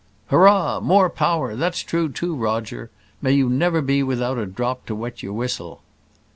"Hurrah! more power. That's true too, Roger; may you never be without a drop to wet your whistle."